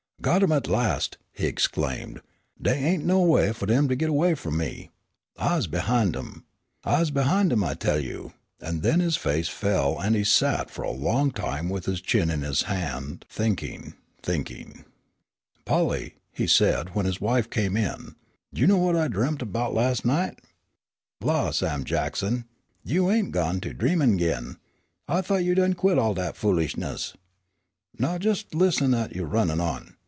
"Got 'em at last!" he exclaimed. "Dey ain't no way fu' dem to git away f'om me. I's behind 'em. I's behind 'em I tell you," and then his face fell and he sat for a long time with his chin in his hand thinking, thinking. "Polly," said he when his wife came in, "d'you know what I dremp 'bout las' night?" "La! Sam Jackson, you ain't gone to dreamin' agin. I thought you done quit all dat foolishness." "Now jes' listen at you runnin' on.